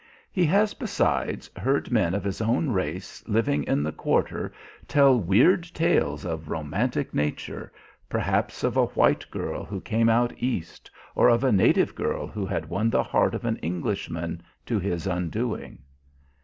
He has besides heard men of his own race living in the quarter tell weird tales of romantic nature, perhaps of a white girl who came out East, or of a native girl who had won the heart of an Englishman to his undoing.